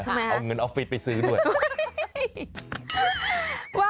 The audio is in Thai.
เอาเงินออฟฟิตซื้นอีกด้วย